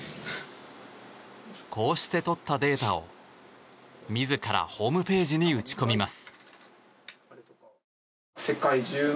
こうしてとったデータを、自らホームページに打ち込みます。